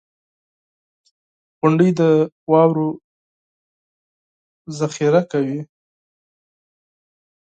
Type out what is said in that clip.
• غونډۍ د واورو ذخېره کوي.